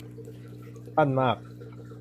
สั้นมาก